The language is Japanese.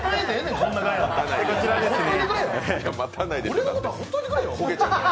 俺のことはほっといてくれよ！